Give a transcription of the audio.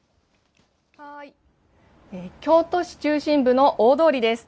京都市中心部の大通りです。